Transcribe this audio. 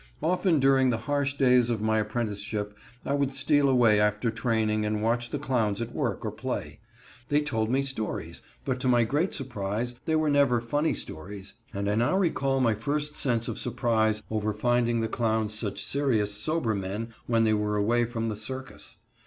Often during the harsh days of my apprenticeship I would steal away after training and watch the clowns at work or play. They told me stories, but, to my great surprise, they were never funny stories, and I now recall my first sense of surprise over finding the clowns such serious, sober men when they were away from the circus.